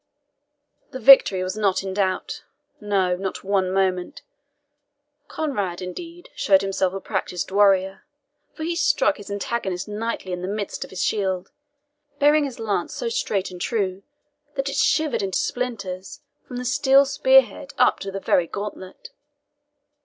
The victory was not in doubt no, not one moment. Conrade, indeed, showed himself a practised warrior; for he struck his antagonist knightly in the midst of his shield, bearing his lance so straight and true that it shivered into splinters from the steel spear head up to the very gauntlet.